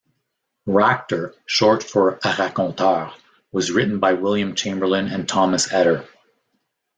Racter, short for "raconteur", was written by William Chamberlain and Thomas Etter.